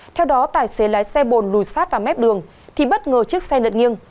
theo đó tài xế lái xe bồn lùi sát vào mép đường thì bất ngờ chiếc xe lật nghiêng